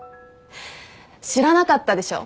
知らなかったでしょ。